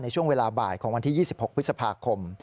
ช่วงเวลาบ่ายของวันที่๒๖พฤษภาคม